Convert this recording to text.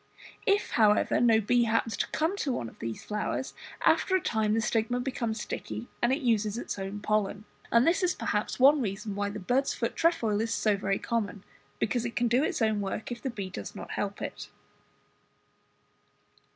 If however no bee happens to come to one of these flowers, after a time the stigma becomes sticky and it uses its own pollen: and this is perhaps one reason why the bird's foot trefoil is so very common, because it can do its own work if the bee does not help it.